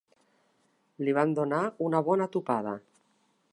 Li van donar una bona tupada.